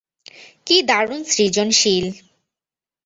কী দারুণ সৃজনশীল!